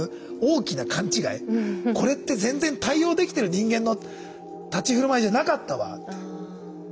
これって全然対応できてる人間の立ち居振る舞いじゃなかったわって。